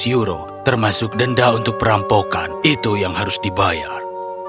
dihitung tiga ratus euro termasuk denda untuk perampokan itu yang harus dibayar